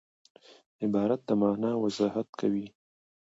عبارت د مانا وضاحت کوي.